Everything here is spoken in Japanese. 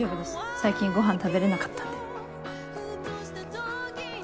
最近ごはん食べれなかったんで。